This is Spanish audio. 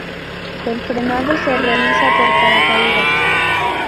El frenado se realiza por paracaídas.